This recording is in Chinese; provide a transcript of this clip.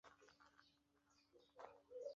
狄志远曾是汇点成员。